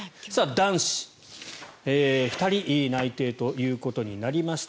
男子、２人内定ということになりました。